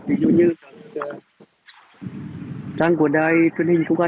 ví dụ như trang của đài truyền hình công an